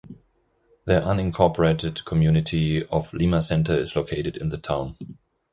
The unincorporated community of Lima Center is located in the town.